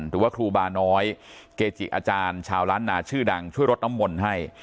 หรือว่าครูบาน้อยเกจิอาจารย์ชาวล้านนาชื่อดังช่วยรดน้ำมนต์ให้